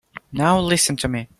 Now listen to me.